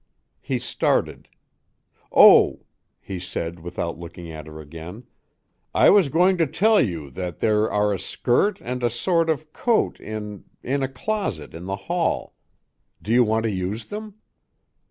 He started. "Oh," he said without looking at her again, "I was going to tell you that there are a skirt and a sort of coat in in a closet in the hall. Do you want to use them?"